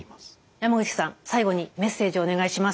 山口さん最後にメッセージをお願いします。